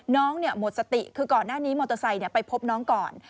น้องหมดสติคือก่อนหน้านี้มอเตอร์ไซค์ไปพบน้องก่อน